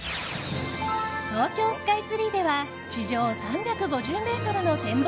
東京スカイツリーでは地上３５０ｍの展望